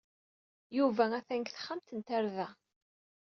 Yuba atan deg texxamt n tarda.